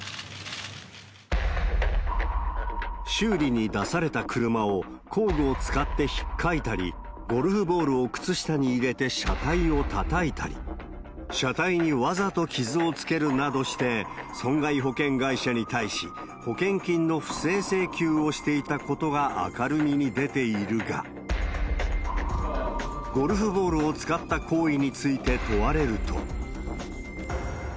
修理に出された車を工具を使ってひっかいたり、ゴルフボールを靴下に入れて車体をたたいたり、車体にわざと傷をつけるなどして、損害保険会社に対し、保険金の不正請求をしていたことが明るみに出ているが、ゴルフボールを使った行為について問われると。